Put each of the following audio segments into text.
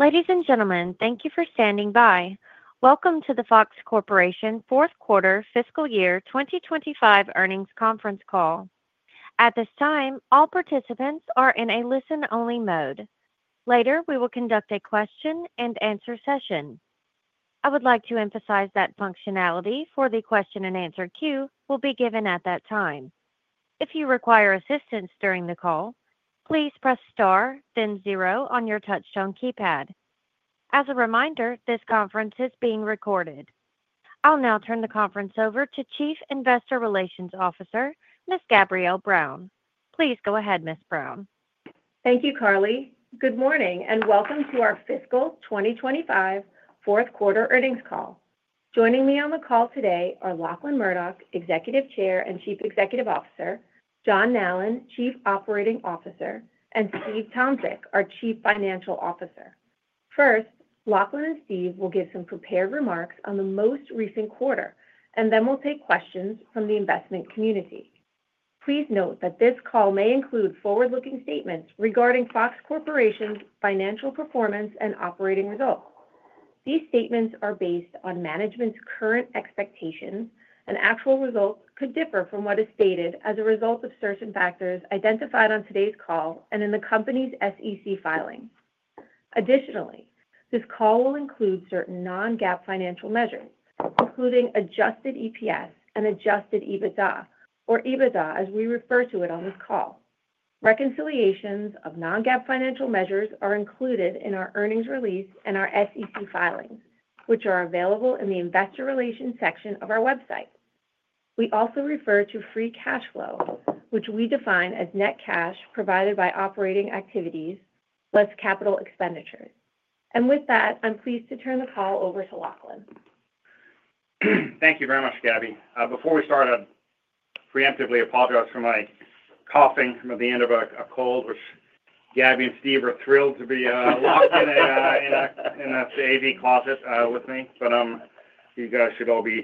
Ladies and gentlemen, thank you for standing by. Welcome to the Fox Corporation fourth quarter fiscal year 2025 earnings conference call. At this time, all participants are in a listen only mode. Later we will conduct a question-and-answer session. I would like to emphasize that functionality for the question-and-answer queue will be given at that time. If you require assistance during the call, please press star then zero on your touchtone keypad. As a reminder, this conference is being recorded. I'll now turn the conference over to Chief Investor Relations Officer, Ms. Gabrielle Brown. Please go ahead, Ms. Brown. Thank you, Carly. Good morning and welcome to our fiscal 2025 fourth quarter earnings call. Joining me on the call today are Lachlan Murdoch, Executive Chair and Chief Executive Officer, John Nallen, Chief Operating Officer, and Steve Tomsic, our Chief Financial Officer. First, Lachlan and Steve will give some prepared remarks on the most recent quarter and then we'll take questions from the investment community. Please note that this call may include forward looking statements regarding Fox Corporation's financial performance and operating results. These statements are based on management's current expectations and actual results could differ from what is stated as a result of certain factors identified on today's call and in the company's SEC filings. Additionally, this call will include certain non-GAAP financial measures, including adjusted EPS and adjusted EBITDA, or EBITDA as we refer to it on this call. Reconciliations of non-GAAP financial measures are included in our earnings release and our SEC filings, which are available in the Investor Relations section of our website. We also refer to free cash flow, which we define as net cash provided by operating activities plus capital expenditures. With that, I'm pleased to turn the call over to Lachlan. Thank you very much, Gabby. Before we start, I’d preemptively apologize for my coughing from the end of a cold, which Gabby and Steve are thrilled to be locked in a closet with me. You guys should all be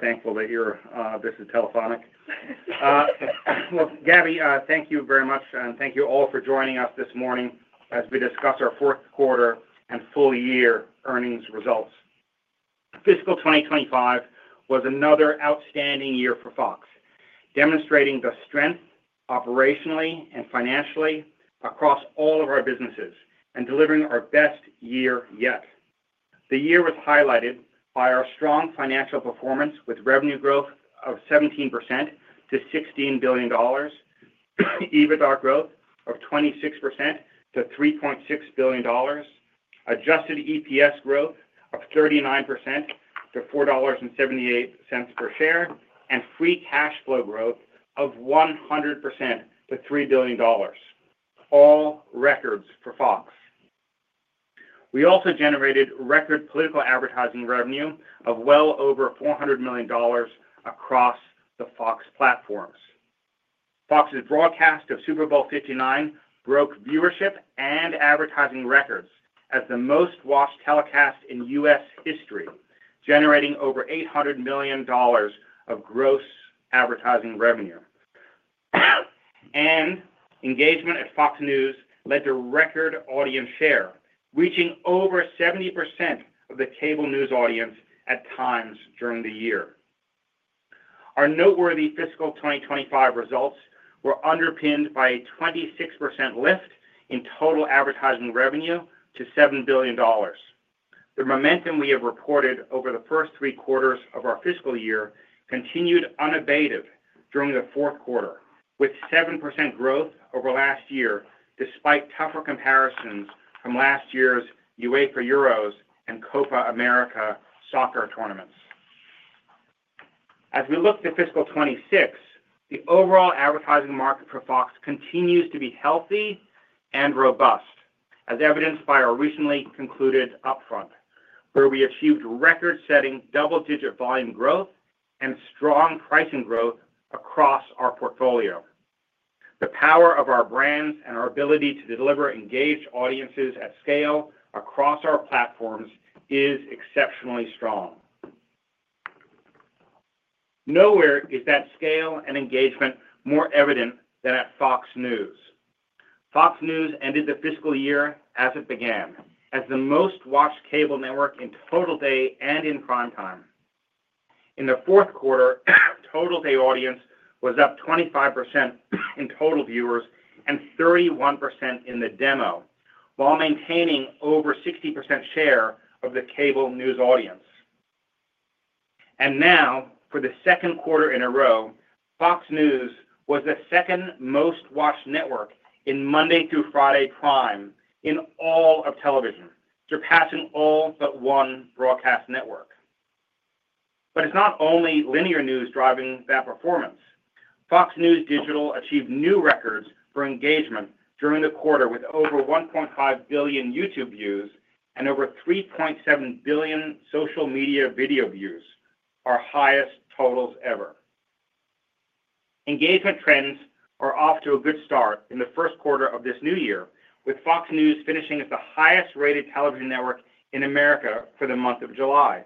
thankful that this is telephonic. Gabby, thank you very much and thank you all for joining us this morning as we discuss our fourth quarter and full year earnings results. Fiscal 2025 was another outstanding year for FOX, demonstrating the strength operationally and financially across all of our businesses and delivering our best year yet. The year was highlighted by our strong financial performance with revenue growth of 17% to $16 billion, EBITDA growth of 26% to $3.6 billion, adjusted EPS growth of 39% to $4.78 per share, and free cash flow growth of 100% to $3 billion, all records for FOX. We also generated record political advertising revenue of well over $400 million across the FOX platforms. FOX's broadcast of Super Bowl LIX broke viewership and advertising records as the most watched telecast in U.S. history, generating over $800 million of gross advertising revenue. Engagement at FOX News led to record audience share, reaching over 70% of the cable news audience at times during the year. Our noteworthy fiscal 2025 results were underpinned by a 26% lift in total advertising revenue to $7 billion. The momentum we have recorded over the first three quarters of our fiscal year continued unabated during the fourth quarter with 7% growth over last year despite tougher comparisons from last year’s UEFA Euros and Copa America soccer tournaments. As we look to fiscal 2026, the overall advertising market for FOX continues to be healthy and robust as evidenced by our recently concluded upfront where we achieved record-setting double-digit volume growth and strong pricing growth across our portfolio. The power of our brands and our ability to deliver engaged audiences at scale across our platforms is exceptionally strong. Nowhere is that scale and engagement more evident than at FOX News. FOX News ended the fiscal year as it began, as the most watched cable network in total day and in prime time. In the fourth quarter, total day audience was up 25% in total viewers and 31% in the demo, while maintaining over 60% share of the cable news audience. For the second quarter in a row, FOX News was the second most watched network in Monday through Friday prime in all of television, surpassing all but one broadcast network. It's not only linear news driving that performance. FOX News Digital achieved new records for engagement during the quarter with over 1.5 billion YouTube views and over 3.7 billion social media video views, our highest totals ever. Engagement trends are off to a good start in the first quarter of this new year, with FOX News finishing as the highest rated television network in America for the month of July,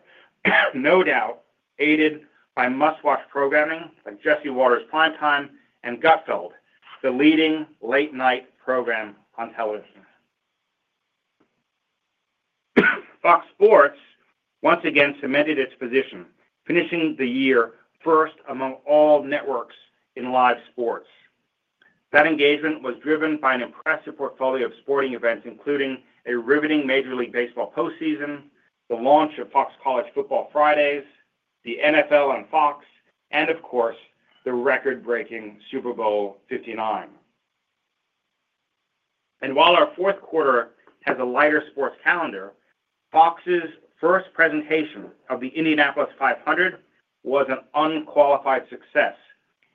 no doubt aided by must watch programming like Jesse Watters Primetime and Gutfeld, the leading late night program on television. FOX Sports once again cemented its position, finishing the year first among all networks in live sports. That engagement was driven by an impressive portfolio of sporting events, including a riveting Major League Baseball postseason, the launch of FOX COLLEGE FOOTBALL FRIDAYS, the NFL on FOX, and of course the record breaking Super Bowl LIX. While our fourth quarter has a lighter sports calendar, Fox's first presentation of the Indianapolis 500 was an unqualified success,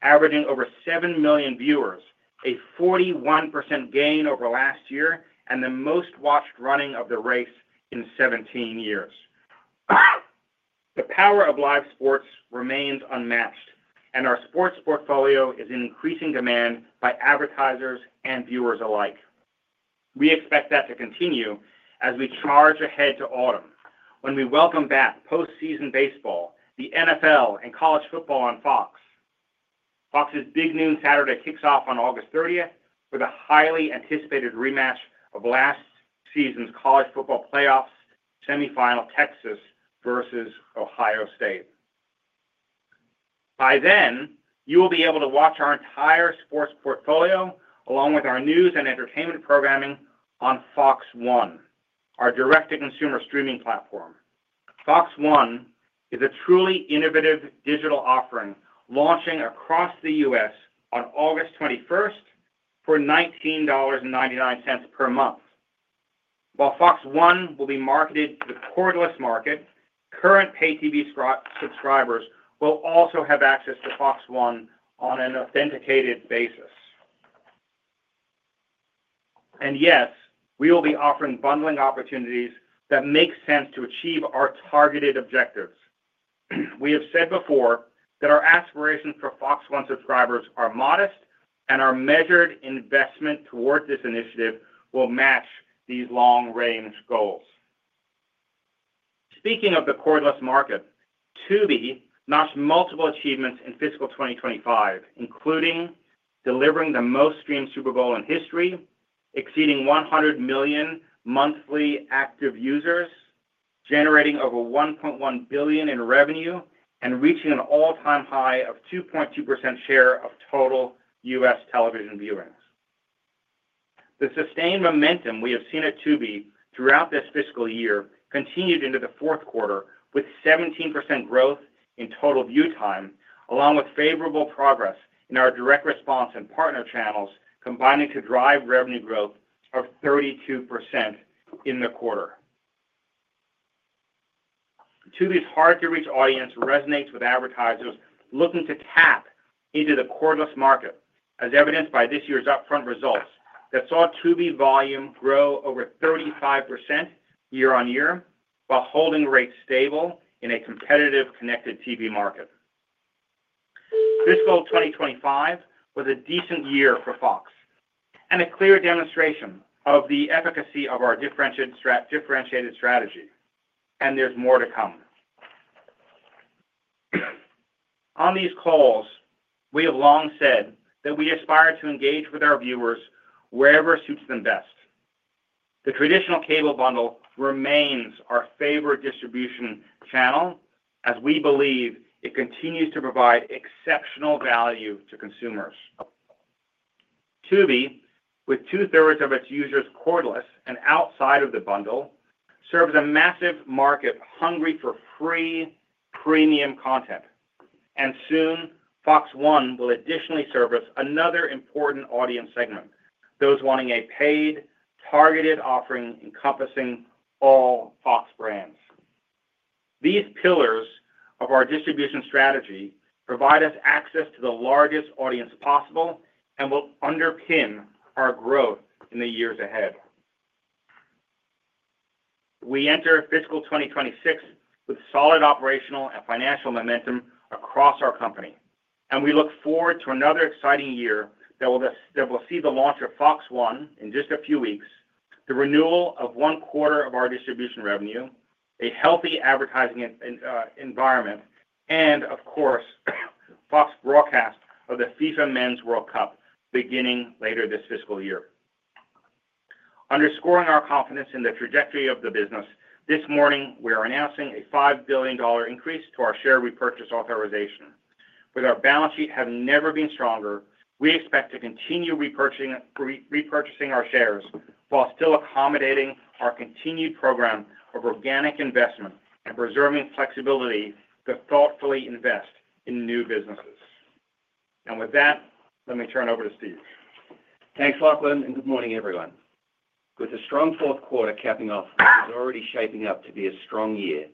averaging over 7 million viewers, a 41% gain over last year and the most watched running of the race in 17 years. The power of live sports remains unmatched and our sports portfolio is increasing demand for by advertisers and viewers alike. We expect that to continue as we charge ahead to autumn when we welcome back postseason baseball, the NFL and college football on FOX. FOX's Big Noon Saturday kicks off on August 30 with a highly anticipated rematch of last season's college football playoff semifinal, Texas vs. Ohio State. By then you will be able to watch our entire sports portfolio along with our news and entertainment programming on Fox One, our direct to consumer streaming platfrorm. Fox One is a truly innovative digital offering launching across the U.S. on August 21st for $19.99 per month. Fox One will be marketed to the cordless market, current pay TV subscribers will also have access to Fox One on an authenticated basis. Yes, we will be offering bundling opportunities that make sense to achieve our targeted objectives. We have said before that our aspirations for Fox One subscribers are modest and our measured investment towards this initiative will match these long range goals. Speaking of the cordless market, Tubi launched multiple achievements in fiscal 2025, including delivering the most streamed Super Bowl in history, exceeding 100 million monthly active users, generating over $1.1 billion in revenue, and reaching an all-time high of 2.2% share of total U.S. television viewings. The sustained momentum we have seen at Tubi throughout this fiscal year continued into the fourth quarter with 17% growth in total view time, along with favorable progress in our direct response and partner channels, combining to drive revenue growth of 32% in the quarter. Tubi's hard-to-reach audience resonates with advertisers looking to tap into the cordless market, as evidenced by this year's upfront results that saw Tubi volume grow over 35% year-on-year while holding rates stable in a competitive connected TV market. Fiscal 2025 was a decent year for FOX and a clear demonstration of the efficacy of our differentiated strategy. There is more to come on these calls. We have long said that we aspire to engage with our viewers wherever suits them best. The traditional cable bundle remains our favorite distribution channel, as we believe it continues to provide exceptional value to consumers. Tubi, with two thirds of its users cordless and outside of the bundle, serves the massive market hungry for free premium content, and soon Fox One will additionally service another important audience segment, those wanting a paid targeted offering encompassing all FOX brands. These pillars of our distribution strategy provide us access to the largest audience possible and will underpin our growth in the years ahead. We enter fiscal 2026 with solid operational and financial momentum across our company, and we look forward to another exciting year that will see the launch of Fox One in just a few weeks, the renewal of 1/4 of our distribution revenue, a healthy advertising environment, and of course Fox broadcast of the FIFA Men’s World Cup beginning later this fiscal year, underscoring our confidence in the trajectory of the business. This morning we are announcing a $5 billion increase to our share repurchase authorization. With our balance sheet having never been stronger, we expect to continue repurchasing our shares while still accommodating our continued program of organic investment and preserving flexibility to thoughtfully invest in new businesses. With that, let me turn over to Steve. Thanks Lachlan and good morning everyone. With a strong fourth quarter, capping off is already shaping up to be a strong year.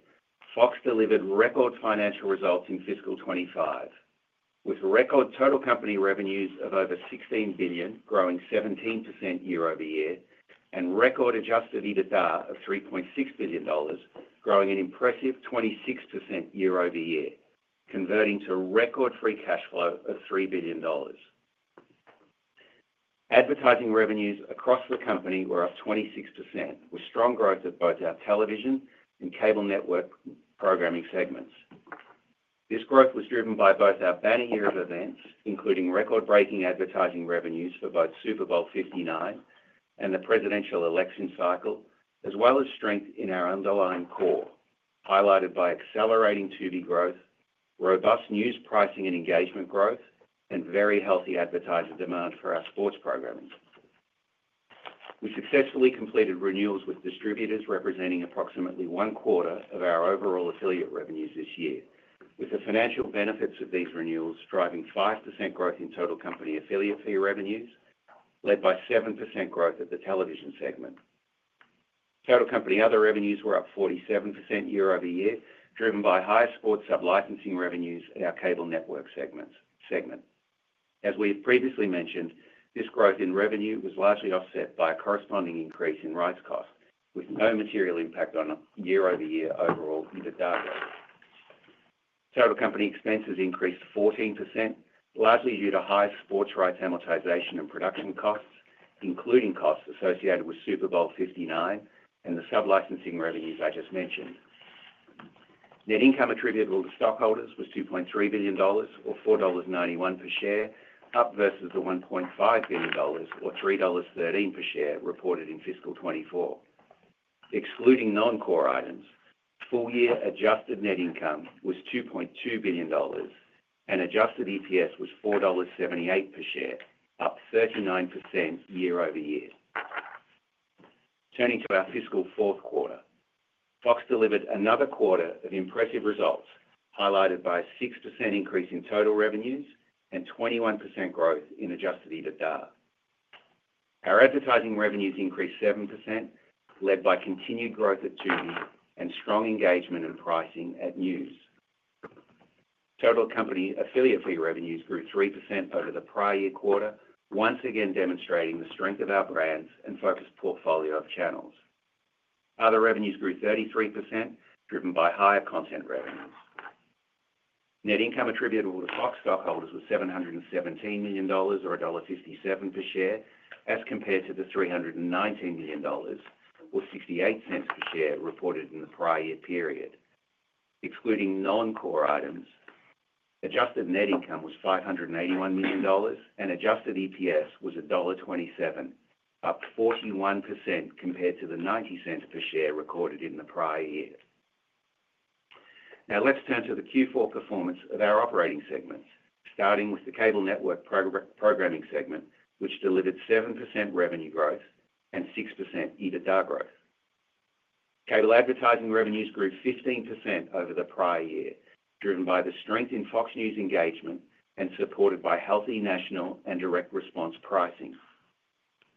FOX delivered record financial results in fiscal 2025 with record total company revenues of over $16 billion, growing 17% year-over-year, and record adjusted EBITDA of $3.6 billion, growing an impressive 26% year-over-year, converting to record free cash flow of $3 billion. Advertising revenues across the company were up 26% with strong growth at both our television and cable network programming segments. This growth was driven by both our banner year of events, including record-breaking advertising revenues for both Super Bowl LIX and the presidential election cycle, as well as strength in our underlying core highlighted by accelerating Tubi growth, robust news pricing and engagement growth, and very healthy advertiser demand for our sports programming services. We successfully completed renewals with distributors representing approximately 1/4 of our overall affiliate revenues this year, with the financial benefits of these renewals driving 5% growth in total company affiliate fee revenues led by 7% growth at the television segment. Total company other revenues were up 47% year-over-year, driven by higher sports sublicensing revenues at our cable network segment. As we previously mentioned, this growth in revenue was largely offset by a corresponding increase in rights cost with no material impact on year-over-year overall EBITDA. Total company expenses increased 14%, largely due to high sports rights amortization and production costs, including costs associated with Super Bowl LIX and the sublicensing revenues I just mentioned. Net income attributable to stockholders was $2.3 billion or $4.91 per share, up versus the $1.5 billion or $3.13 per share reported in fiscal 2024. Excluding non-core items, full year adjusted net income was $2.2 billion and adjusted EPS was $4.78 per share, up 39% year-over-year. Turning to our fiscal fourth quarter, Fox delivered another quarter of impressive results highlighted by a 6% increase in total revenues and 21% growth in adjusted EBITDA. Our advertising revenues increased 7%, led by continued growth at Tubi and strong engagement and pricing at FOX News. Total company affiliate fee revenues grew 3% over the prior year quarter, once again demonstrating the strength of our brands and focused portfolio of channels. Other revenues grew 33% driven by higher content revenues. Net income attributable to FOX stockholders was $717 million or $1.57 per share as compared to the $319 million or $0.68 per share reported in the prior year period. Excluding non-core items, adjusted net income was $581 million and adjusted EPS was $1.27, up 41% compared to the $0.90 per share recorded in the prior year. Now let's turn to the Q4 performance of our operating segments, starting with the cable network programming segment, which delivered 7% revenue growth and 6% EBITDA growth. Cable advertising revenues grew 15% over the prior year, driven by the strength in FOX News engagement and supported by healthy national and direct response pricing.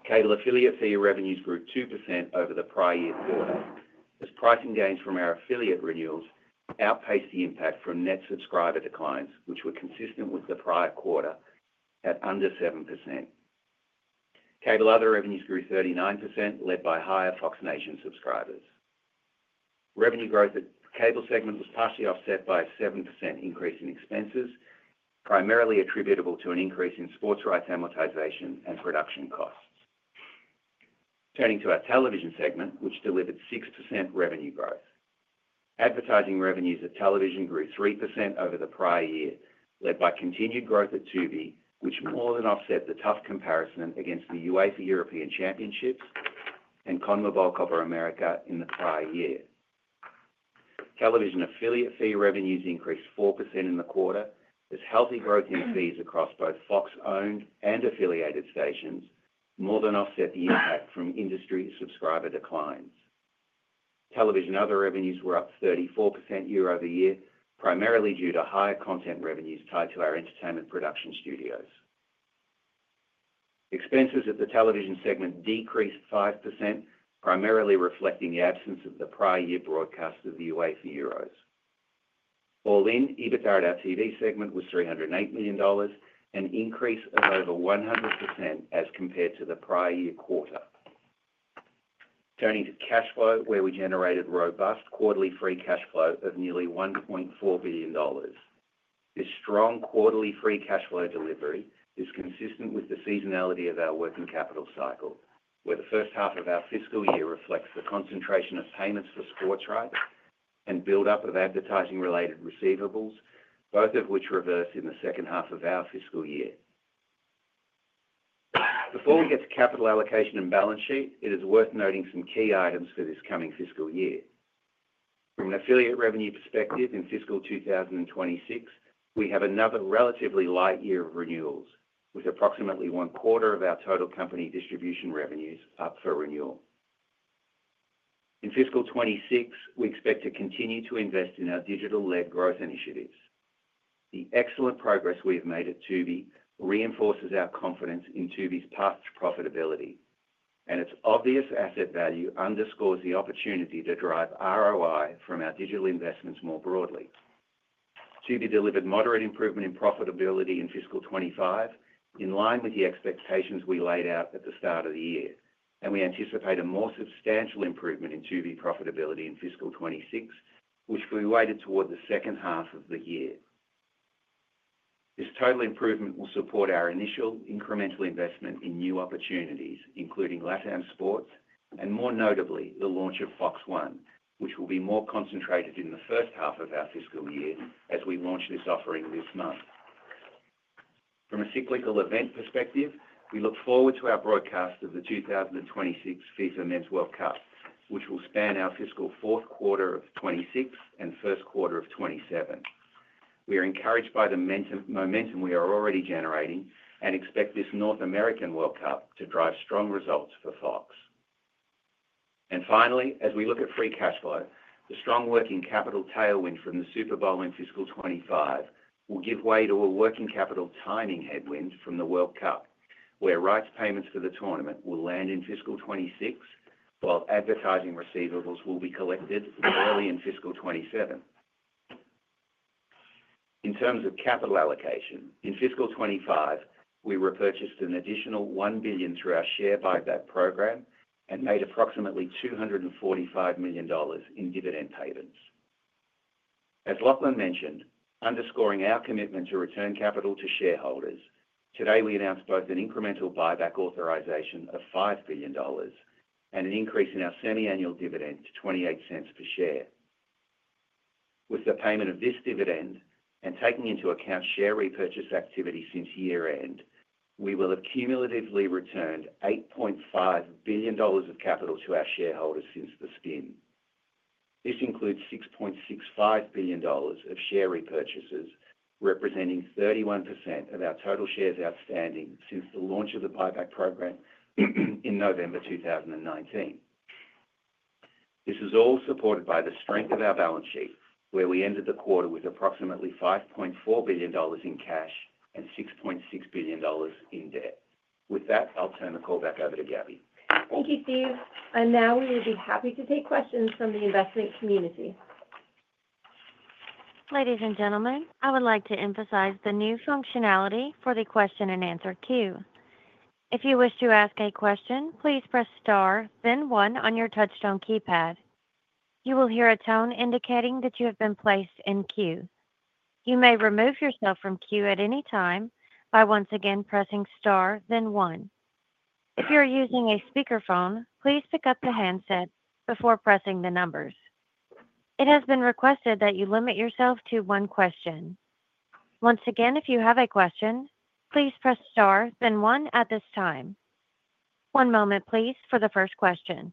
Cable affiliate fee revenues grew 2% over the prior year quarter as pricing gains from our affiliate renewals outpaced the impact from net subscriber declines, which were consistent with the prior quarter at under 7%. Cable other revenues grew 39%, led by higher FOX Nation subscribers. Revenue growth at the cable segment was partially offset by a 7% increase in expenses, primarily attributable to an increase in sports rights amortization and production costs. Turning to our television segment, which delivered 6% revenue growth, advertising revenues of television grew 3% over the prior year, led by continued growth at Tubi, which more than offset the tough comparison against the UEFA European Championships and CONMEBOL Copa America in the prior year. Television affiliate fee revenues increased 4% in the quarter as healthy growth in fees across both FOX owned and affiliated stations more than offset the impact from industry subscriber declines. Television and other revenues were up 34% year-over-year, primarily due to higher content revenues tied to our entertainment production studios. Expenses of the television segment decreased 5%, primarily reflecting the absence of the prior year broadcast of the UEFA Euros. All in, EBITDA at our TV segment was $308 million, an increase of over 100% as compared to the prior year quarter. Turning to cash flow, we generated robust quarterly free cash flow of nearly $1.4 billion. This strong quarterly free cash flow delivery is consistent with the seasonality of our working capital cycle, where the first half of our fiscal year reflects the concentration of payments for sports rights and buildup of advertising related receivables, both of which reverse in the second half of our fiscal year. Before we get to capital allocation and balance sheet, it is worth noting some key items for this coming fiscal year from an affiliate revenue perspective. In fiscal 2026 we have another relatively light year of renewals. With approximately 1/4 of our total company distribution revenues up for renewal in fiscal 2026, we expect to continue to invest in our digital-led growth initiatives. The excellent progress we have made at Tubi reinforces our confidence in Tubi's path to profitability and its obvious asset value underscores the opportunity to drive ROI from our digital investments more broadly. Tubi delivered moderate improvement in profitability in fiscal 2025 in line with the expectations we laid out at the start of the year, and we anticipate a more substantial improvement in Tubi profitability in fiscal 2026, which we weighted toward the second half of the year. This total improvement will support our initial incremental investment in new opportunities including LatAm Sports and more notably the launch of Fox One, which will be more concentrated in the first half of our fiscal year. As we launch this offering this month from a cyclical event perspective, we look forward to our broadcast of the 2026 FIFA Men’s World Cup, which will span our fiscal fourth quarter of 2026 and first quarter of 2027. We are encouraged by the momentum we are already generating and expect this North American World Cup to drive strong results for FOX. Finally, as we look at free cash flow, the strong working capital tailwind from the Super Bowl in fiscal 2025 will give way to a working capital timing headwind from the World Cup where rights payments for the tournament will land in fiscal 2026 while advertising receivables will be collected early in fiscal 2027. In terms of capital allocation, in fiscal 2025 we repurchased an additional $1 billion through our share buyback program and made approximately $245 million in dividend payments. As Lachlan mentioned, underscoring our commitment to return capital to shareholders, today we announced both an incremental buyback authorization of $5 billion and an increase in our semi-annual dividend to $0.28 per share. With the payment of this dividend and taking into account share repurchase activity since year end, we will accumulatively return $8.5 billion of capital to our shareholders since the spin. This includes $6.65 billion of share repurchases, representing 31% of our total shares outstanding since the launch of the buyback program in November 2019. This is all supported by the strength of our balance sheet, where we ended the quarter with approximately $5.4 billion in cash and $6.6 billion in debt. With that, I'll turn the call back over to Gabrielle. Thank you, Steve. We would be happy to take questions from the investment community. Ladies and gentlemen, I would like to emphasize the new functionality for the question-and-answer queue. If you wish to ask a question, please press star then one on your touch-tone keypad. You will hear a tone indicating that you have been placed in queue. You may remove yourself from queue at any time by once again pressing star then one. If you are using a speakerphone, please pick up the handset before pressing the numbers. It has been requested that you limit yourself to one question. Once again, if you have a question, please press star then one at this time. One moment, please. For the first question,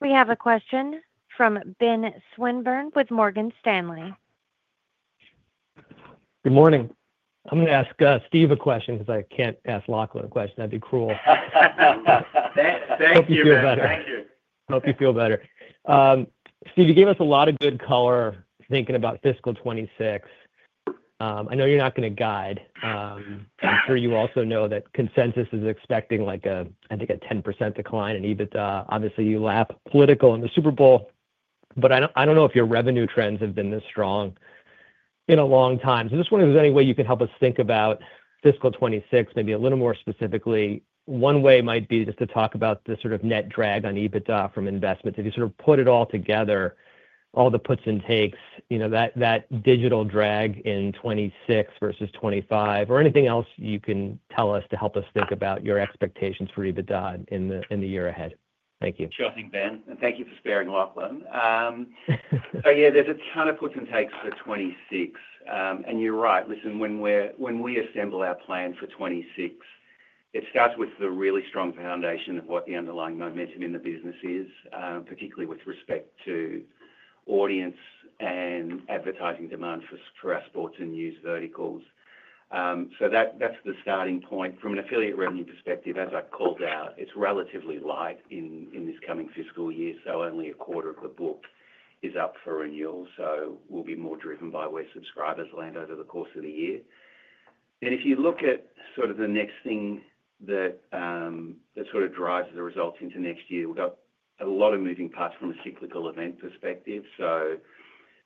we have a question from Ben Swinburne with Morgan Stanley. Good morning. I'm going to ask Steve a question because I can't ask Lachlan a question. That'd be cruel. Hope you feel better. Steve, you gave us a lot of good color thinking about fiscal 2026. I know you're not going to guide. I'm sure you also know that consensus is expecting like a, I think a 10% decline in EBITDA. Obviously you lap political in the super. Bowl, I don't know if your. Revenue trends have not been this strong in a long time. If there's any way. You can help us think about fiscal 2026, maybe a little more specifically. One way might be just to talk about the sort of net drag on adjusted EBITDA from investments. If you sort of put it all together. Together, all the puts and takes, you know, that digital drag in 2026 vs 2025 or anything else you can tell us to help us think about your expectations for EBITDA in the year ahead. Thank you. Sure thing, Ben. Thank you for sparing Lachlan. There's a ton of puts and takes for 2026. You're right. Listen, when we assemble our plan for 2026, it starts with the really strong foundation of what the underlying momentum in the business is, particularly with respect to audience and advertising demand for our sports and news verticals. That's the starting point. From an affiliate revenue perspective, as I called out, it's relatively light in this coming fiscal year, so only a quarter of the book is up for renewal. We'll be more driven by where subscribers land over the course of the year. If you look at the next thing that drives the results into next year, we've got a lot of moving parts from a cyclical event perspective.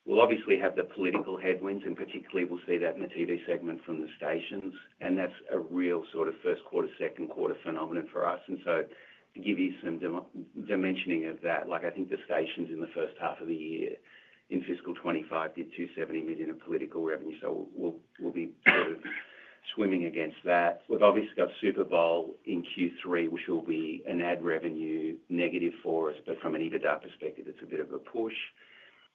We'll obviously have the political headwinds and particularly we'll see that in the TV segment from the stations. That's a real first quarter, second quarter phenomenon for us. To give you some dimensioning of that, I think the stations in the first half of the year in fiscal 2025 did $270 million of political revenue. We'll be sort of swimming against that. We've obviously got Super Bowl in Q3, which will be an ad revenue negative for us, but from an EBITDA perspective, it's a bit of a push.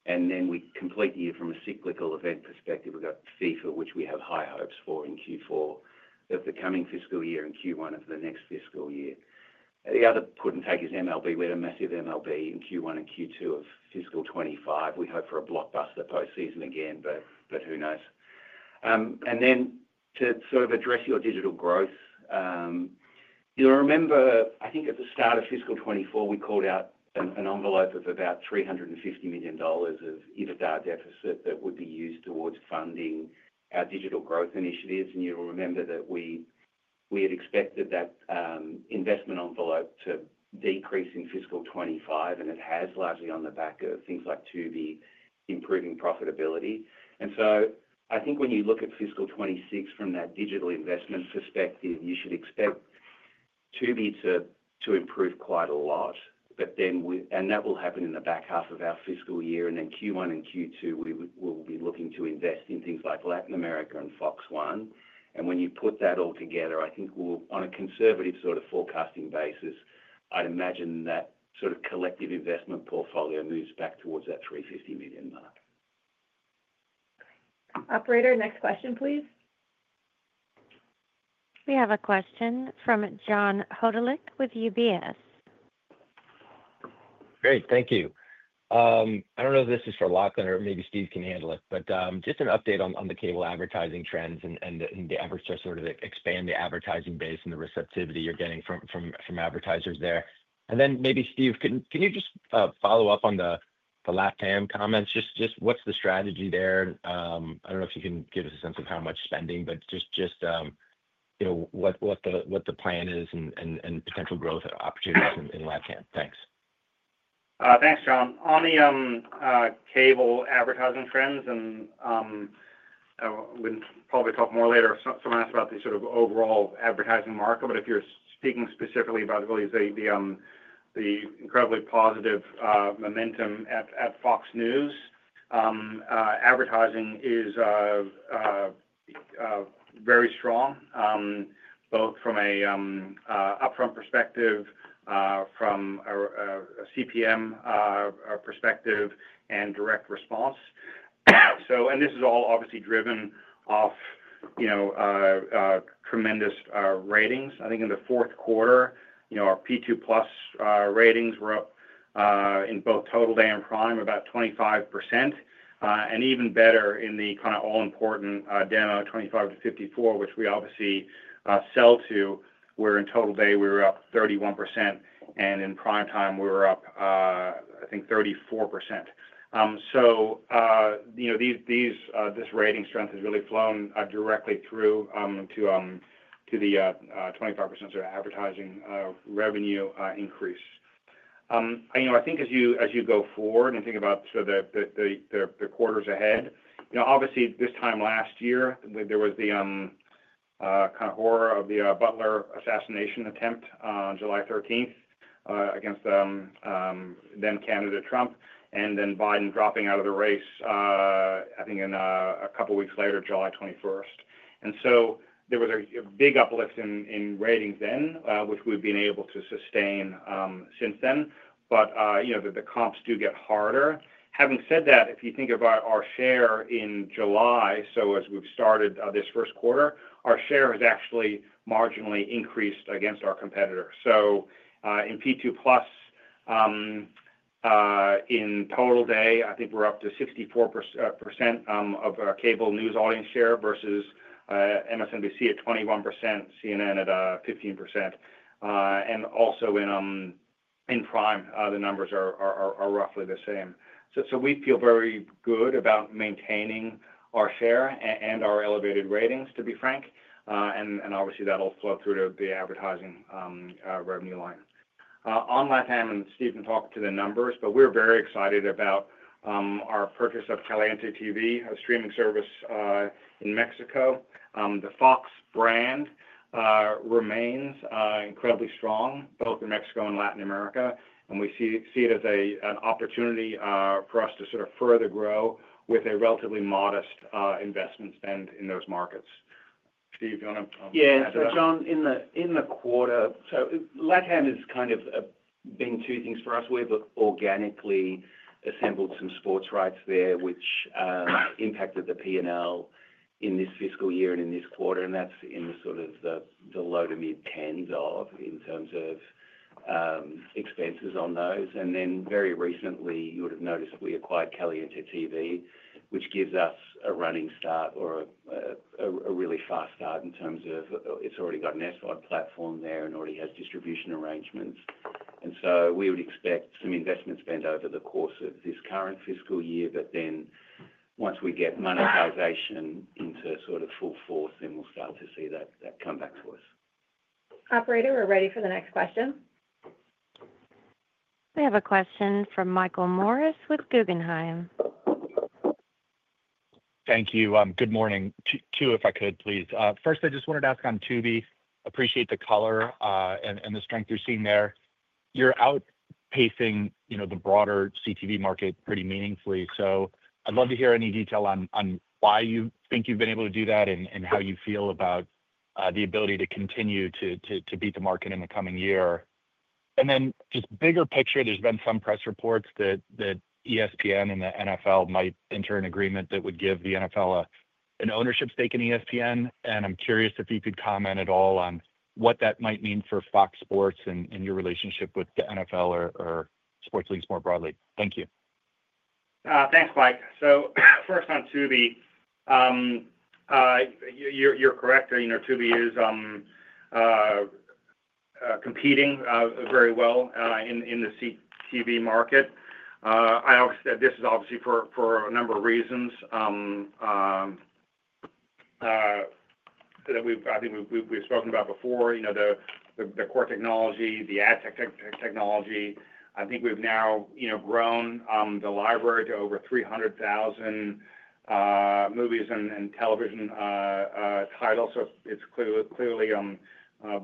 We complete the year from a cyclical event perspective. We've got FIFA Men’s World Cup, which we have high hopes for in Q4 of the coming fiscal year and Q1 of the next fiscal year. The other put and take is MLB. We had a massive MLB in Q1 and Q2 of fiscal 2025. We hope for a blockbuster postseason again, but who knows. To address your digital growth, you'll remember at the start of fiscal 2024, we called out an envelope of about $350 million of EBITDA deficit that would be used towards funding our digital growth initiatives. You'll remember that we had expected that investment envelope to decrease in fiscal 2025 and it has, largely on the back of things like Tubi improving profitability. I think when you look at fiscal 2026 from that digital investment perspective, you should expect Tubi to improve quite a lot. That will happen in the back half of our fiscal year. In Q1 and Q2, we'll be looking to invest in things like Latin American Fox One. when you put that all together, I think on a conservative forecasting basis, I'd imagine that collective investment portfolio moves back towards that $350 million. Next question, please. We have a question from John Hodulik with UBS. Great, thank you. I don't know if this is for. Lachlan or maybe Steve can handle it, but just an update on the cable advertising trends and the average to sort of expand the advertising base and the receptivity you're getting from advertisers. Then maybe Steve, can you. Just follow up on the LatAm comments? Just what's the strategy there? I don't know if you can give us a sense of how much spending, but just what the plan is and potential growth opportunities in LatAm. Thanks. Thanks, John. On the cable advertising trends, and we'll probably talk more later. Someone asked about the sort of overall advertising market, but if you're speaking specifically about really the, the incredibly positive momentum at FOX News, advertising is very strong from a CPM perspective, and direct response. This is all obviously driven off tremendous ratings. I think in the fourth quarter, you know, our P2+ ratings were up in both total day and prime about 25%, and even better in the kind of all-important demo 25-34, which we obviously sell to, where in total day we were up 31% and in primetime we were up, I think, 34%. This rating strength has really flown directly through to the 25% advertising revenue increase. I think as you go forward and think about the quarters ahead, obviously this time last year there was the kind of horror of the Butler assassination attempt on July 13 againsn them, Canada, Trump, and then Biden dropping out of the race, I think, a couple of weeks later, July 21. There was a big uplift in ratings then, which we've been able to sustain since then. The comps do get harder. Having said that, if you think about our share in July, as we've started this first quarter, our share has actually marginally increased against our competitor. In P2+ in total day, I think we're up to 64% of cable news audience share versus MSNBC at 21%, CNN at 15%. Also in prime, the numbers are roughly the same. We feel very good about maintaining our share and our elevated ratings, to be frank. Obviously that all flows through to the advertising revenue line. On Latin, Steve can talk to the numbers, but we're very excited about our purchase of Caliente TV, a streaming service in Mexico. The Fox brand remains incredibly strong both in Mexico and Latin America, and we see it as an opportunity for us to sort of further grow with a relatively modest investment spend in those markets. Steve, you want to add that? Yes, John, in the quarter, so LatAm. Has kind of been two things for us. We organically assembled some sports rights there, which impacted the P&L in this fiscal year and in this quarter. That's in the sort of the low to mid tens in terms of expenses on those. Very recently, you would have noticed we acquired Caliente TV, which gives us a running start or a really fast start in terms of it's already got an SVOD platform there and already has distribution arrangements. We would expect some investment spend over the course of this current fiscal year, but once we get monetization into sort of full force, we'll start to see that come back to us. Operator, we're ready for the next question. We have a question from Michael Morris with Guggenheim. Thank you. Good morning. Two if I could please. First, I just wanted to ask on Tubi, appreciate the color and the strength you're seeing there. You're outpacing the broader CTV market pretty meaningfully. I'd love to hear any detail on why you think you've been able to do that and how you feel about the ability to continue to beat the market in the coming year. Then just bigger picture, there's been some press reports that ESPN and the NFL might enter an agreement that would give the NFL an ownership stake in ESPN. I'm curious if you could comment at all on what that might mean for FOX Sports and your relationship with the NFL or sports leagues more broadly. Thank you. Thanks, Mike. First on Tubi, you're correct. Tubi is competing very well in the CTV market. This is obviously for a number of reasons that we've, I think we've spoken about before. The core technology, the ad tech technology. I think we've now grown the library to over 300,000 movies and television titles. It's clearly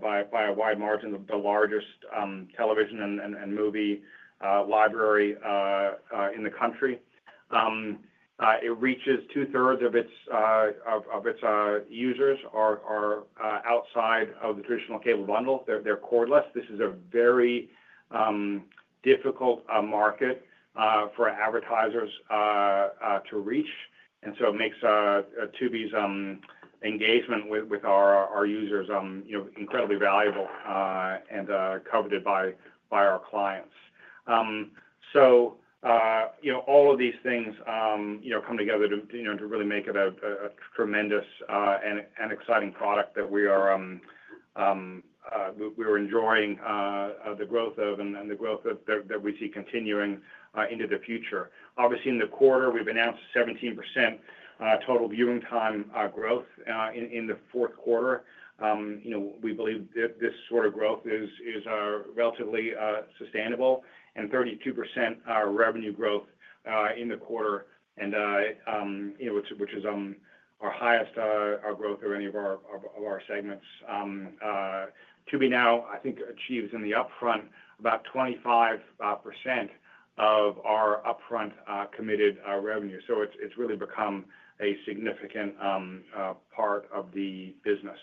by a wide margin the largest television and movie library in the country. It reaches two thirds of its users who are outside of the traditional cable bundle. They're cordless. This is a very difficult market for advertisers to reach. It makes Tubi's engagement with our users incredibly valuable and coveted by our clients. All of these things come together to really make it a tremendous and exciting product that we are. We were. Enjoying the growth of and the growth that we see continuing into the future. Obviously, in the quarter, we've announced 17% total viewing time growth in the fourth quarter. We believe this sort of growth is relatively sustainable and 32% revenue growth in the quarter, which is our highest growth of any of our segments. Tubi now, I think, achieves in the upfront about 25% of our upfront committed revenue. It has really become a significant part of the business.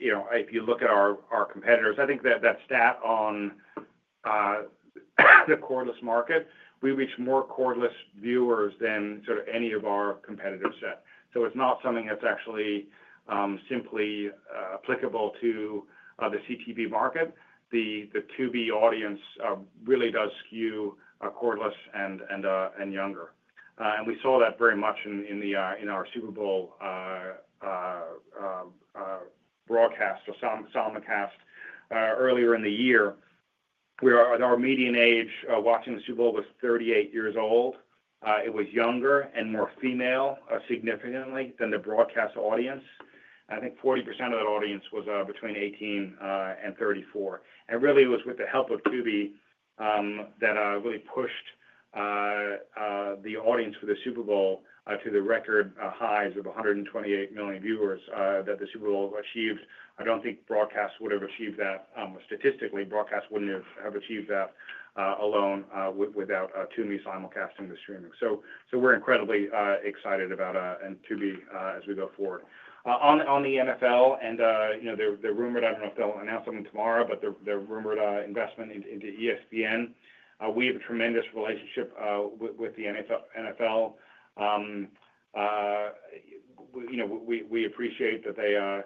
If you look at our competitors, I think that stat on the cordless market, we reach more cordless viewers than any of our competitive set. It is not something that's simply applicable to the CTV market. The Tubi audience really does skew cordless and younger. We saw that very much in our Super Bowl broadcast simulcast earlier in the year. Our median age watching the Super Bowl was 38 years old. It was younger and more female, significantly, than the broadcast audience. I think 40% of that audience was between 18 and 34. It was with the help of Tubi that really pushed the audience for the Super Bowl to the record highs of 128 million viewers that the Super Bowl achieved. I don't think broadcast would have achieved that statistically. Broadcast wouldn't have achieved that alone without Tubi simulcasting the streaming. We are incredibly excited about Tubi as we go forward on the NFL and the rumored, I don't know if they'll announce something tomorrow, but the rumored investment into ESPN. We have a tremendous relationship with the NFL. We appreciate that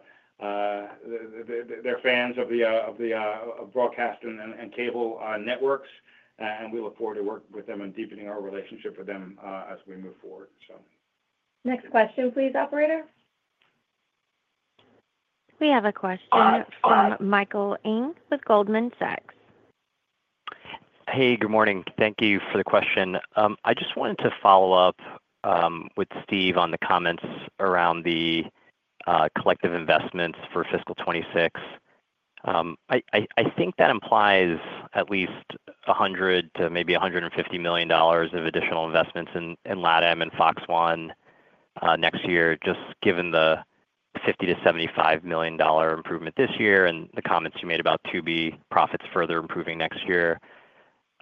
they're fans of the broadcast and cable networks and we look forward to working with them and deepening our relationship with them as we move forward. Next question please. Operator, we have a question from Michael Ng with Goldman Sachs. Hey, good morning. Thank you for the question. I just wanted to follow up with Steve on the comments around the collective investments for fiscal 2026. I think that implies at least $100 million to maybe $150 million of additional investments in LatAm and Fox One next year. Just given the $50 million-$75 million improvement this year and the comments you made about Tubi profits further improving next year,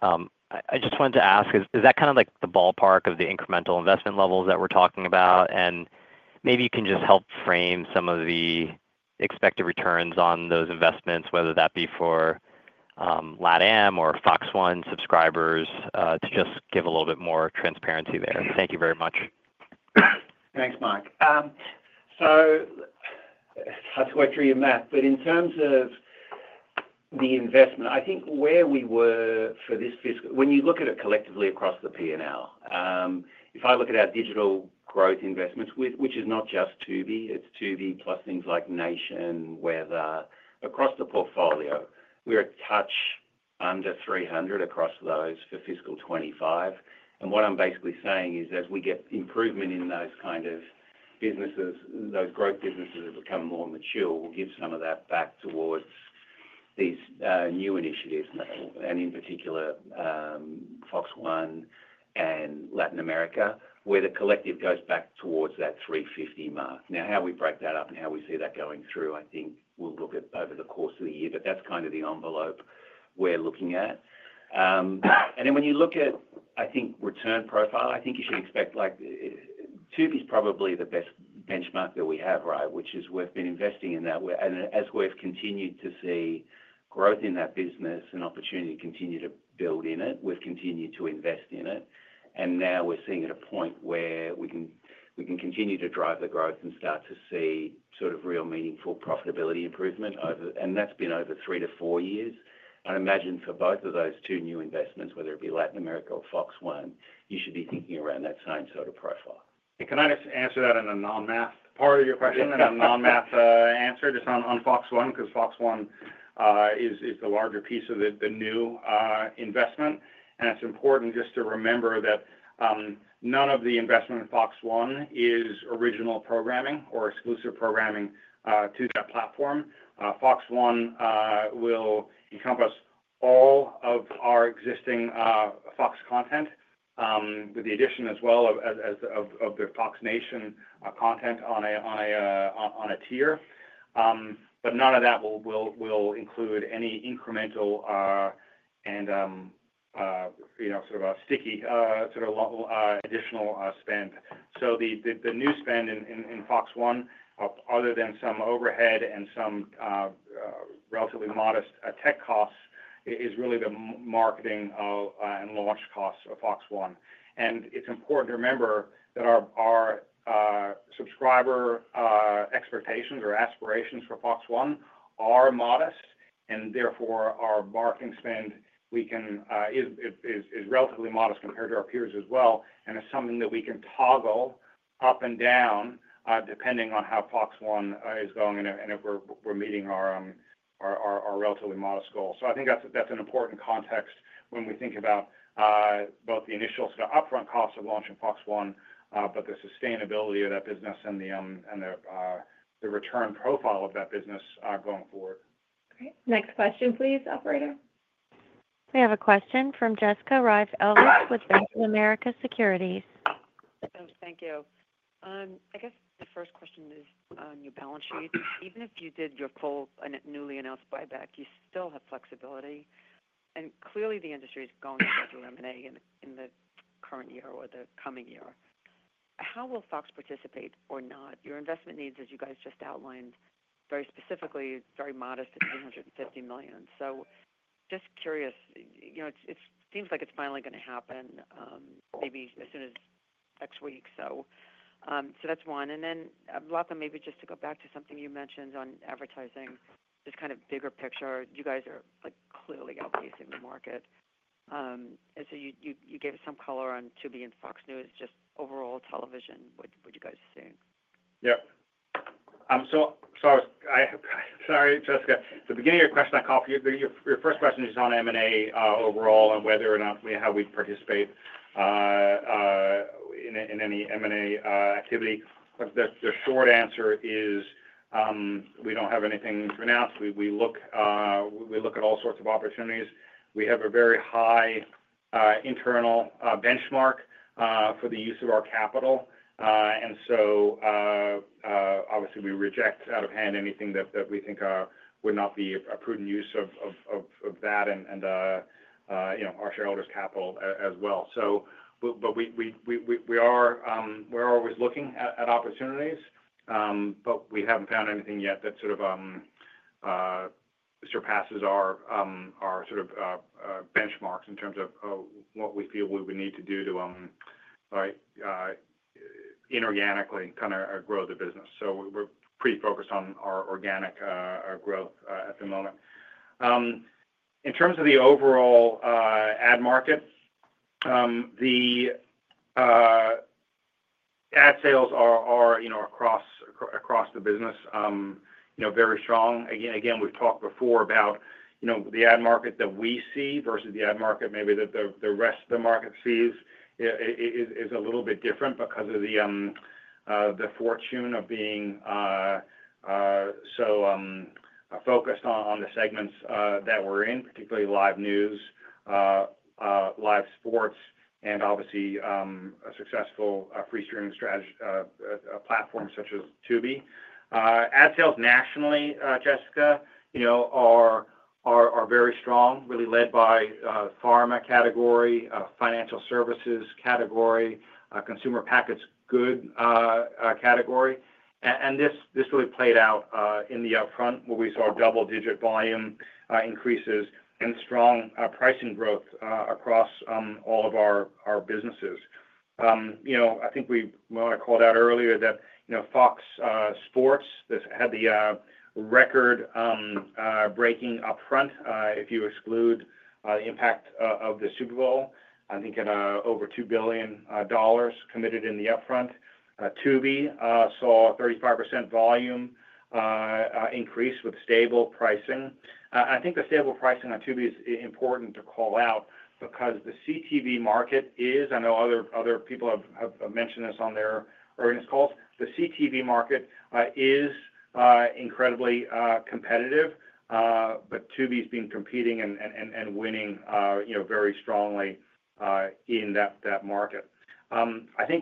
I just wanted to ask, is that kind of like the ballpark of the incremental investment levels that we're talking about? Maybe you can just help frame some of the expected returns on those investments, whether that be for LatAm or Fox One subscribers to just give a little bit more transparency there. Thank you very much. Thanks, Mike. In terms of the investment, I think where we were for this fiscal, when you look at it collectively across the P&L, if I look at our digital growth investments, which is not just Tubi, it's Tubi plus things like Nation Weather across the portfolio, we are a touch under $300 million across those for fiscal 2025. What I'm basically saying is as we get improvement in those kind of businesses, those growth businesses have become more mature, we'll give some of that back towards these new initiatives. And in particular Fox One and Latin America, where the collective goes back towards that $350 million mark. How we break that up and how we see that going through, I think we'll look at over the course of the year. That's kind of the envelope we're looking at. When you look at, I think, return profile, I think you should expect Tubi to be probably the best benchmark that we have, right. We've been investing in that and as we've continued to see growth in that business and opportunity to continue to build in it, we've continued to invest in it and now we're seeing at a point where we can continue to drive the growth and start to see sort of real meaningful profitability improvement. That's been over three to four years. I imagine for both of those two new investments, whether it be Latin America or Fox One, you should be thinking around that same sort of profile. Can I just answer that in a non-math part of your question? A non-math answer to some on Fox One cause Fox One is the larger piece of the new investment. It's important just to remember that none of the investment Fox One is original programming or exclusive programming to platform. Fox One will encompass all of our existing FOX content with the addition as well of the FOX Nation content on a tier. None of that will include any incremental and sort of sticky additional spend. The new spend in Fox One, other than some overhead and some relatively modest tech costs, is really the marketing and launch costs of Fox One. it's important to remember that our subscriber expectations or aspirations for Fox One are modest and therefore our marketing spend is relatively modest compared to our peers as well. It's something that we can toggle up and down depending on how Fox One is going and if we're meeting our relatively modest goal. I think that's an important context when we think about both the initial, the upfront costs of launch of Fox One, the sustainability of that business, and the return profile of that business going forward. Great. Next question please. Operator, we have a question from Jessica Reif Ehrlich with Bank of America Securities. Thank you. I guess the first question is on your balance sheet. Even if you did your full newly announced buyback, you still have flexibility, and clearly the industry is going to reminisce in the current year or the coming year. How will FOX participate or not? Your investment needs, as you guys just outlined, very specifically, very modest million. Just curious, you know, it seems like it's finally going to happen maybe as soon as next week. That's one. Then, Lachlan, maybe just to go back to something you mentioned on advertising, this kind of bigger picture, you guys are clearly outpacing the market, and you gave us some color on Tubi and FOX News, just overall television. What you guys think. I'm sorry, Jessica, at the beginning of your question, I coughed. Your first question is on M&A overall and whether or not we participate in any M&A activity. The short answer is we don't have anything to announce. We look at all sorts of opportunities. We have a very high internal benchmark for the use of our capital, and obviously we reject out of hand anything that we think would not be a prudent use of that and our shareholders' capital as well. We're always looking at opportunities, but we haven't found anything yet that surpasses our benchmarks in terms of what we feel we would need to do to inorganically kind of grow the business. We're pretty focused on our organic growth at the moment in terms of the overall ad market. The. Ad sales are across the business very strong. Again, we've talked before about the ad market that we see versus the ad market maybe that the rest of the market sees is a little bit different because of the fortune of being so focused on the segments that we're in, particularly live news, live sports, and obviously a successful free streaming platform such as Tubi. Ad sales nationally, Jessica, are very strong, really led by pharma category, financial services category, consumer packaged goods category. This really played out in the upfront where we saw double-digit volume increases and strong pricing growth across all of our businesses. I think we called out earlier that FOX Sports had the record-breaking upfront. If you exclude the impact of the Super Bowl, I think at over $2 billion committed in the upfront, Tubi saw 35% volume increase with stable pricing. I think the stable pricing on Tubi is important to call out because the CTV market is, I know other people have mentioned this on their earnings calls, the CTV market is incredibly competitive but Tubi has been competing and winning very strongly in that market.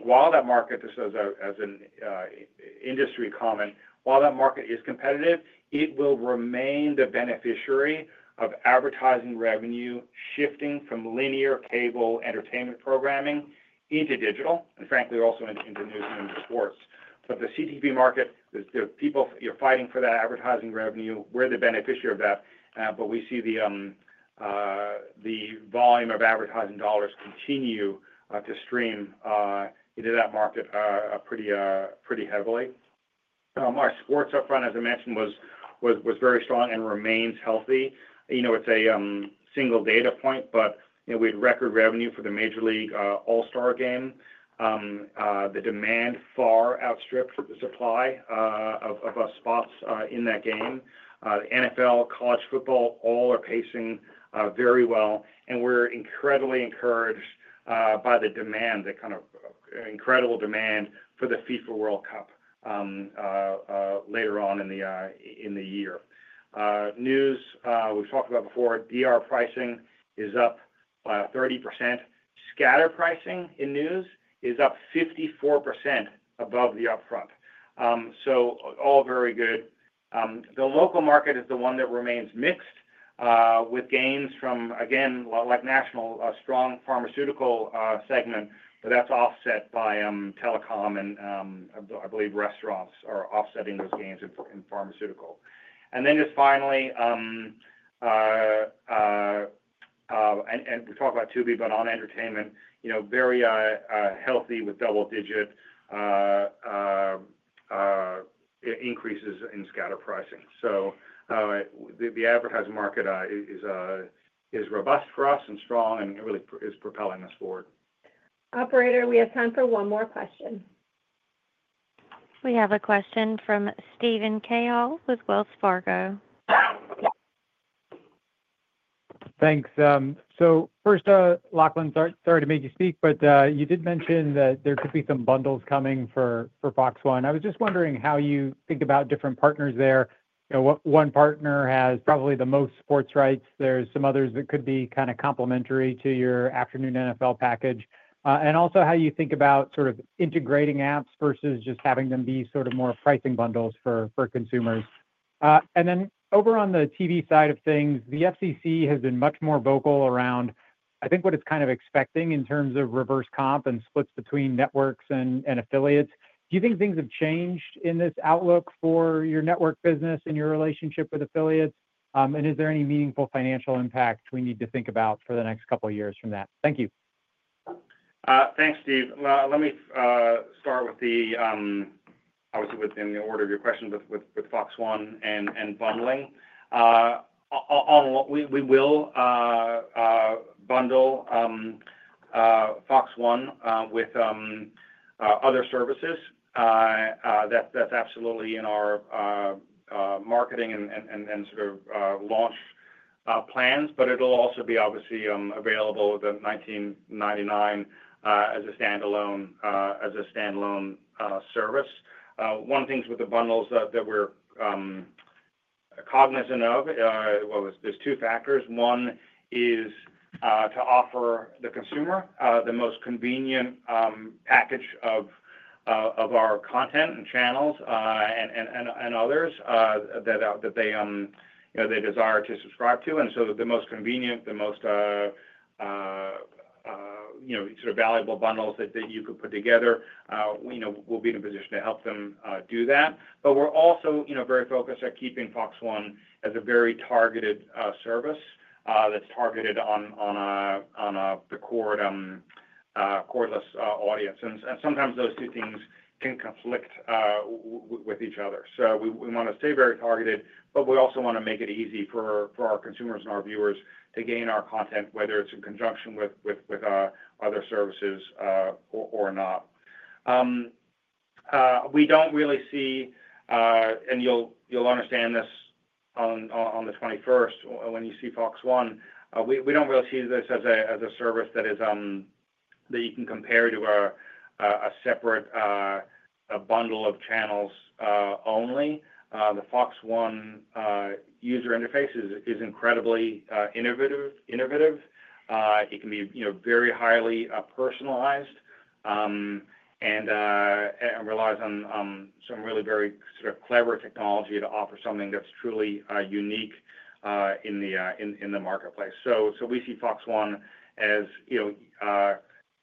While that market as an industry common, while that market is competitive, it will remain the beneficiary of advertising revenue shifting from linear cable entertainment programming into digital and frankly also into news and into sports. The CTV market is, there are people fighting for that advertising revenue. We're the beneficiary of that. We see the volume of advertising dollars continue to stream into that market pretty heavily. Our sports upfront, as I mentioned, was very strong and remains healthy. It's a single data point, but we had record revenue for the Major League All-Star Game. The demand far outstripped the supply of spots in that game. The NFL, college football, all are pacing very well, and we're incredibly encouraged by the kind of incredible demand for the FIFA World Cup later on in the year. News we've talked about before. DR pricing is up 30%. Scatter pricing in news is up 54% above the upfront. All very good. The local market is the one that remains mixed with gains from, again like national, a strong pharmaceutical segment, but that's offset by telecom, and I believe restaurants are offsetting those gains in pharmaceutical. Finally, to talk about Tubi, but on entertainment, you know, very healthy with double-digit increases in scatter pricing. The advertising market is robust for us and strong and really is propelling us forward. Operator, we have time for one more question. We have a question from Steven Cahall with Wells Fargo. Thanks. So first, Lachlan, sorry to make you speak, but you did mention that there could be some bundles coming for Fox One. I was just wondering how you think about different partners. You know, one partner has probably the most sports rights. There are some others that could be kind of complementary to your afternoon NFL package. Also, how you think about sort of integrating apps versus just having them be sort of more pricing bundles for consumers. Over on the TV side of things, the FCC has been much more vocal around, I think, what it's kind of expecting in terms of reverse comp and splits between networks and affiliates. Do you think things have changed in this outlook for your network business and your relationship with affiliates? Is there any meaningful financial impact we need to think about for the next couple years from that? Thank you. Thanks, Steve. Let me start with the order of your question with Fox One and bundling. We will bundle Fox One with other services. That's absolutely in our marketing and sort of launch plans. It will also be obviously available at $19.99 as a standalone. As a standalone service, one thing with the bundles that we're cognizant of, there are two factors. One is to offer the consumer the most convenient package of our content and channels and others that they desire to subscribe to. The most convenient, the most valuable bundles that you could put together, we'll be in a position to help them do that. We're also very focused keeping Fox One as a very targeted service that's targeted on the cordless audience. Sometimes those two things can conflict with each other. We want to stay very targeted, but we also want to make it easy for our consumers and our viewers to gain our content, whether it's in conjunction with other services or not. We don't really see, and you'll understand this on the 21st when you see Fox One, we don't really see this as a service that is that you can compare to a separate bundle of channels only the Fox One user interface is incredibly innovative. It can be very highly personalized and relies on some really very clever technology to offer something that's truly unique in the marketplace. We see Fox One as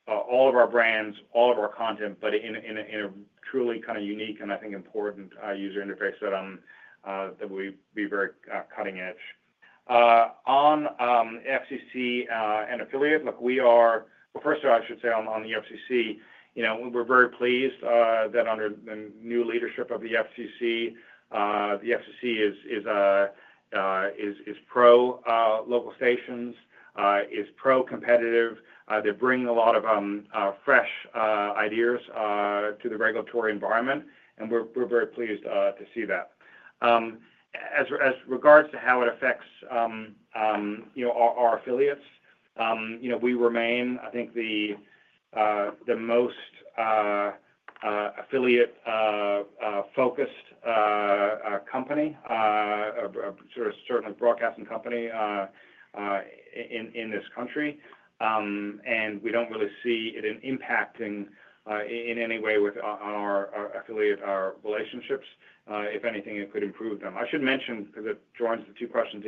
all of our brands, all of our content, but in a truly kind of unique and, I think, important user interface that we are very cutting edge on. FCC and affiliate, we are. First of all, I should say on the FCC, you know, we're very pleased that under the new leadership of the FCC, the FCC is pro local stations, is pro competitive. They bring a lot of fresh ideas to the regulatory environment. We're very pleased to see that as regards to how it affects our affiliates, we remain, I think, the most affiliate focused company, certainly broadcasting company in this country. We don't really see it impacting in any way with our affiliate relationships. If anything, it could improve them, I should mention, because it joins the two questions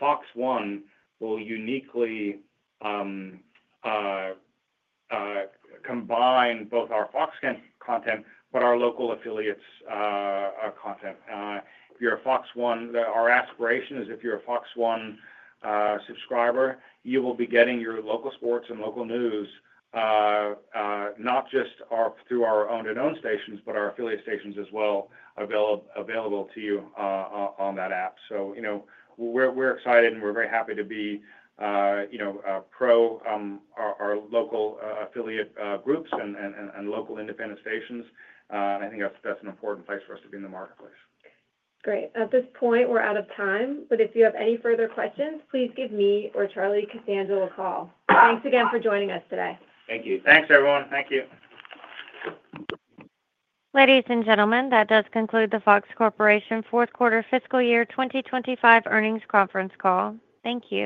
Fox One will uniquely combine both our FOX content, but our local affiliates' content. If you're a Fox One subscriber, our aspiration is you will be getting your local sports and local news not just through our owned and operated stations, but our affiliate stations as well available to you on that app. We're excited and we're very happy to be, you know, pro our local affiliate groups and local independent stations. I think that's an important place for us to be in the marketplace. Great. At this point, we're out of time, but if you have any further questions, please give me or Charlie Costanzo a call. Thanks again for joining us today. Thank you. Thanks, everyone. Thank you. Ladies and gentlemen, that does conclude the Fox Corporation fourth quarter fiscal year 2025 earnings conference call. Thank you.